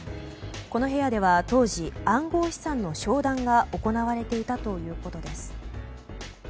この部屋では当時暗号資産の商談が行われていたということです。